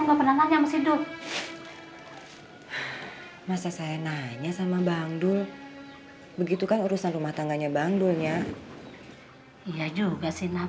lu gak pernah nanya sama si dur masa saya nanya sama bangdul begitu kan urusan rumah tangganya bangdulnya iya juga sih naf